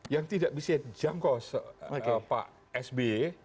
yang tidak bisa dijangkau pak sby